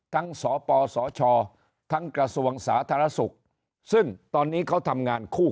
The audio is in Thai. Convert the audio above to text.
สปสชทั้งกระทรวงสาธารณสุขซึ่งตอนนี้เขาทำงานคู่